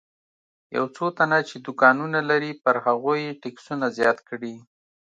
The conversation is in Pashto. یو څو تنه چې دوکانونه لري پر هغوی یې ټکسونه زیات کړي.